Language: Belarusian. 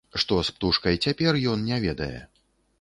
Што з птушкай цяпер, ён не ведае.